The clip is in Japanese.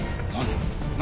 何？